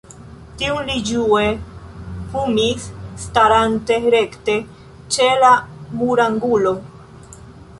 Tiun li ĝue fumis, starante rekte ĉe la murangulo.